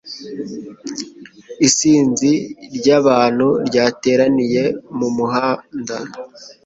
Isinzi ry'abantu ryateraniye mu muhanda.